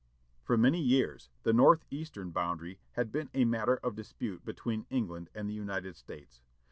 For many years the north eastern boundary had been a matter of dispute between England and the United States.